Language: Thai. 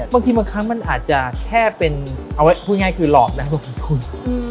บางทีมันอาจจะแค่เป็นเอาไว้พูดง่ายคือหลอกนะลงทุน